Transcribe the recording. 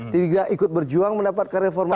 tiga ikut berjuang mendapatkan reformasi